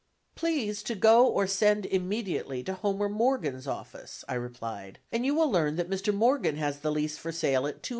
"Please to go or send immediately to Homer Morgan's office," I replied, "and you will learn that Mr. Morgan has the lease for sale at $225,000.